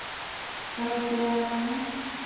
غږ بیا راغی.